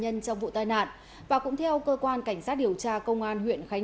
hiện các lực lượng chức năng đang tập trung khẩn trương điều tra làm rõ nguyên nhân